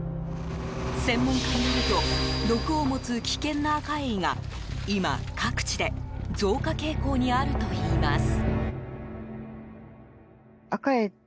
専門家によると毒を持つ危険なアカエイが今、各地で増加傾向にあるといいます。